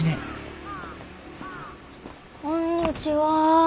こんにちは。